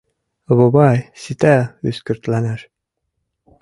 — Вовай, сита ӱскыртланаш!